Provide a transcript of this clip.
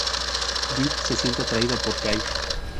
Vic se siente atraído por Kay.